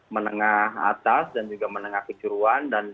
menengah atas dan juga menengah kecuruan dan